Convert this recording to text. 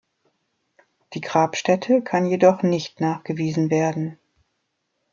Die Grabstätte kann jedoch nicht nachgewiesen werden.